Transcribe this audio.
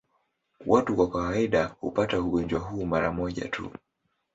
Watu kwa kawaida hupata ugonjwa huu mara moja tu.